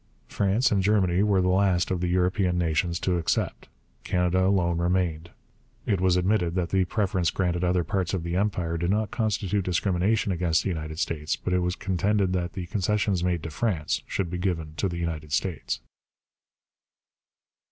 France and Germany were the last of European nations to accept. Canada alone remained. It was admitted that the preference granted other parts of the Empire did not constitute discrimination against the United States, but it was contended that the concessions made to France should be given to the United States.